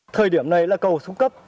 thời điểm này là cầu xuống cấp